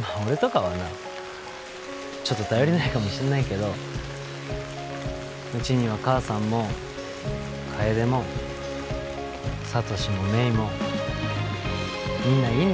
まあ俺とかはちょっと頼りないかもしんないけどうちには母さんも楓も聡も芽衣もみんないんの。